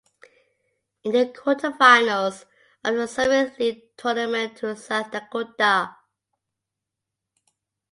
In the quarterfinals of the Summit League Tournament to South Dakota.